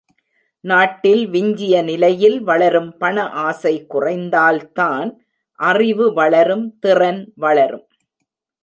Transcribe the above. நாட்டில் விஞ்சிய நிலையில் வளரும் பண ஆசை குறைந்தால்தான் அறிவு வளரும் திறன் வளரும்.